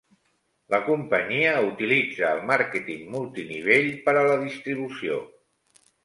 La companyia utilitza el màrqueting multi-nivell per a la distribució.